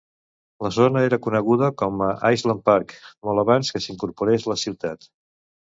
La zona era coneguda com a Island Park molt abans que s'incorporés la ciutat.